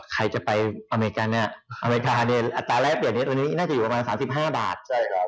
ใครจะไปอเมริกาในอาตาระแรกเปลี่ยนนี้น่าจะอยู่บรรณา๓๕บาท